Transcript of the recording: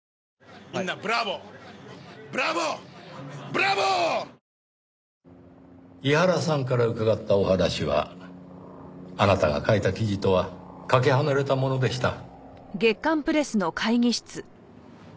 「プレコール」井原さんから伺ったお話はあなたが書いた記事とはかけ離れたものでした。